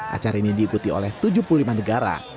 acara ini diikuti oleh tujuh puluh lima negara